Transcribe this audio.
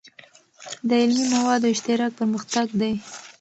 د علمي موادو اشتراک پرمختګ دی.